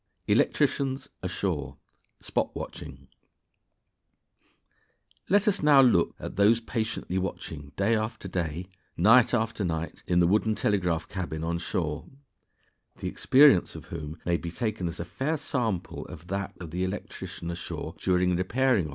Electricians Ashore: "Spot watching." Let us now look at those patiently watching day after day, night after night, in the wooden telegraph cabin on shore, the experience of whom may be taken as a fair sample of that of the electrician ashore during repairing operations in the present day.